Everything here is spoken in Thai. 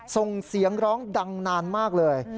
ส่งเสียงร้องดังนานมากเลย